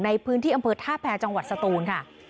ในพื้นที่อำเภอท่าแพรจังหวัดสตูนค่ะ